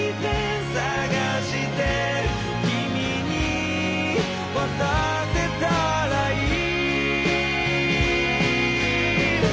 「君に渡せたらいい」